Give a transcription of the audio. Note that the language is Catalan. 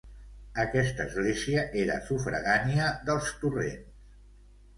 Aquesta església era sufragània dels Torrents.